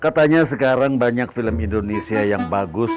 katanya sekarang banyak film indonesia yang bagus